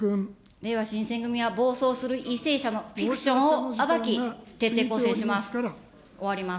れいわ新選組は暴走する為政者のフィクションを暴き、徹底抗戦します。